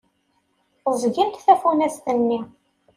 Ẓẓgent tafunast-nni.